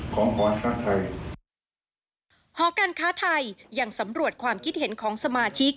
หอพักไทยหอการค้าไทยยังสำรวจความคิดเห็นของสมาชิก